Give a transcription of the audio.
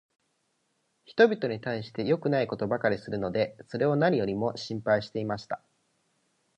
人びとに対しては良くないことばかりするので、それを何よりも心配していました。